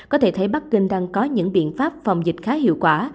có thể thấy bắc kinh đang có những biện pháp phòng dịch khá hiệu quả